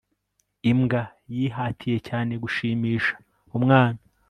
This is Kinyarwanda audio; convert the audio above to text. imbwa yihatiye cyane gushimisha umwana